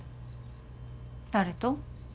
誰と？